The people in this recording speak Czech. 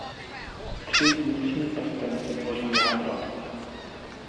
Tři vnitřní prstence tvoří jádro.